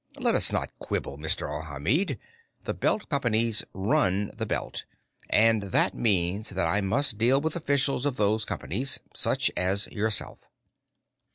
Let us not quibble, Mr. Alhamid; the Belt Companies run the Belt, and that means that I must deal with officials of those companies such as yourself."